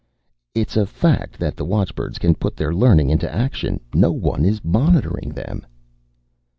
"It's a fact that the watchbirds can put their learning into action. No one is monitoring them."